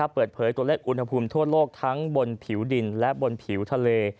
เปิดเผยตัวเลขอุณหภูมิทั่วโลกทั้งบนผิวดินและบนผิวทะเล